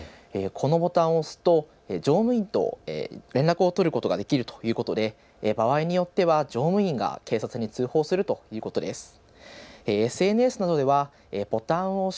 このボタンを押すと乗務員と連絡を取ることができるということで場合によっては乗務員が警察に通報するということです。